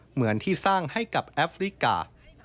เหมือนที่สร้างให้กับแอฟริกา